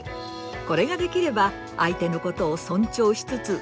これができれば相手のことを尊重しつつ受け入れられる。